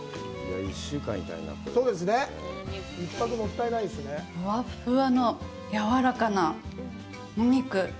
ふわっふわのやわらかなお肉。